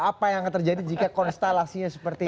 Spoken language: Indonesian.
apa yang akan terjadi jika konstalasi seperti ini